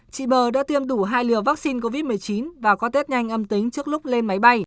chị bờ đã tiêm đủ hai liều vaccine covid một mươi chín và có tết nhanh âm tính trước lúc lên máy bay